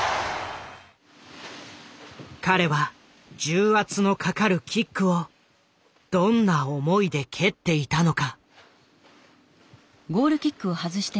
彼は重圧のかかるキックをどんな思いで蹴っていたのか。